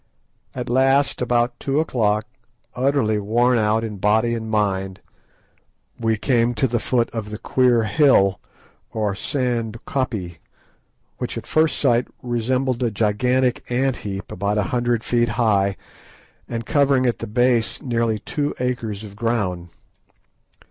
At last, about two o'clock, utterly worn out in body and mind, we came to the foot of the queer hill, or sand koppie, which at first sight resembled a gigantic ant heap about a hundred feet high, and covering at the base nearly two acres of ground.